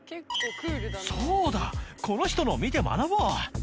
「そうだこの人のを見て学ぼう」